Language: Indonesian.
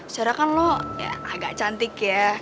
saudara kan lo agak cantik ya